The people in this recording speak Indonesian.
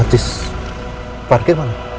katis parkir mana